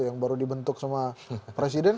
yang baru dibentuk sama presiden